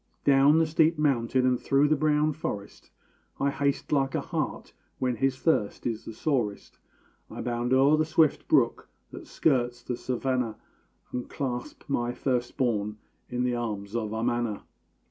Down the steep mountain and through the brown forest, I haste like a hart when his thirst is the sorest; I bound o'er the swift brook that skirts the savannah, And clasp my first born in the arms of Amana.